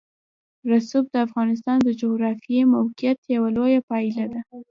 رسوب د افغانستان د جغرافیایي موقیعت یوه لویه پایله ده.